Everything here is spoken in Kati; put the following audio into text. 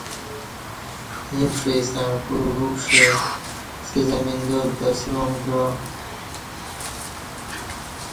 ییں پݜئ ستݩع کوع وُکشہ ستہ زمیندار تہ سلام کعا